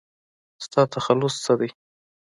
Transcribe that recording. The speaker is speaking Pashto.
ستا تخلص څه دی ؟